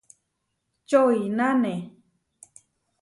Čoináne.